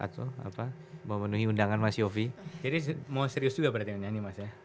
jadi mau serius juga berarti menyanyi mas ya